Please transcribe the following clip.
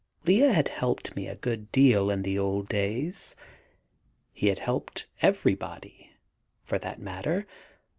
Lea had helped me a good deal in the old days he had helped everybody, for that matter.